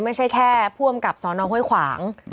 ไม่ใช่แค่ผู้อำกับสนห้วยขวาง